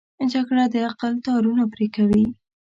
جګړه د عقل تارونه پرې کوي